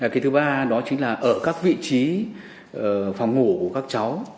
cái thứ ba đó chính là ở các vị trí phòng ngủ của các cháu